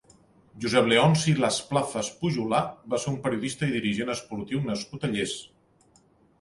Josep Leonci Lasplazas Pujolar va ser un periodista i dirigent esportiu nascut a Llers.